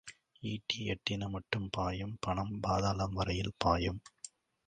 ஈட்டி எட்டின மட்டும் பாயும் பணம் பாதாளம் வரையில் பாயும்.